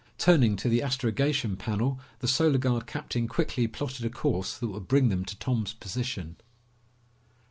Turning to the astrogation panel, the Solar Guard captain quickly plotted a course that would bring them to Tom's position.